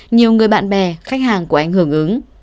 nhiều người bạn bè khách hàng của anh hưởng ứng